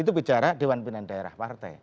itu bicara dewan pimpinan daerah partai